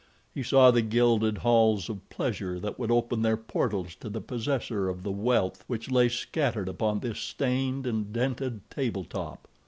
He saw the gilded halls of pleasure that would open their portals to the possessor of the wealth which lay scattered upon this stained and dented table top.